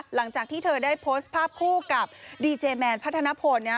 หลังจากที่เธอได้โพสต์ภาพคู่กับดีเจแมนพัฒนพล